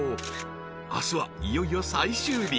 ［明日はいよいよ最終日］